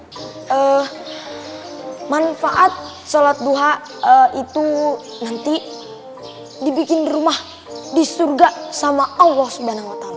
nah manfaat sholat duha itu nanti dibikin rumah di surga sama allah swt